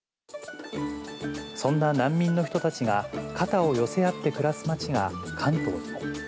そんな難民の人たちが肩を寄せ合って暮らす街が関東にも。